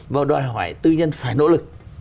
và đòi hỏi tư nhân phải nỗ lực